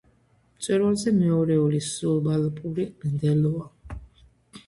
მწვერვალზე მეორეული სუბალპური მდელოა.